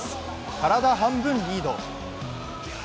体半分リード。